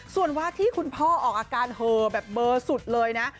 ส่วนวาที่คุณพ่อออกอาการเหอแบบเบอร์สุดเลยนะ